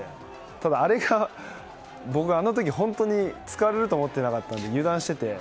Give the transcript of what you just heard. ただ、あれが僕、あの時本当に使われると思ってなくて油断していて。